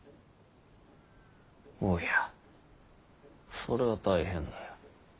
おやそれは大変だ。